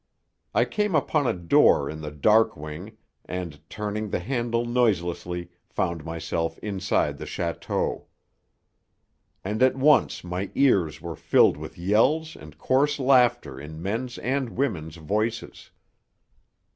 I came upon a door in the dark wing and, turning the handle noiselessly, found myself inside the château. And at once my ears were filled with yells and coarse laughter in men's and women's voices.